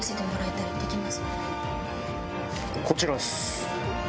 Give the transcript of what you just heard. こちらっす。